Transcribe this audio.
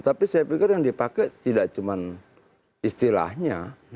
tapi saya pikir yang dipakai tidak cuma istilahnya